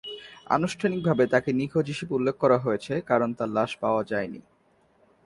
আনুষ্ঠানিকভাবে তাকে নিখোঁজ হিসেবে উল্লেখ করা হয়েছে, কারণ তার লাশ পাওয়া যায়নি।